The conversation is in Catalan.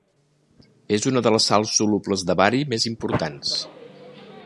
És una de les sals solubles de bari més importants.